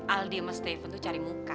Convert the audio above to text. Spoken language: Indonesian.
aldi sama steven tuh cari muka